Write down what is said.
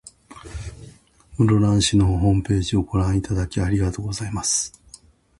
室蘭市のホームページをご覧いただき、ありがとうございます。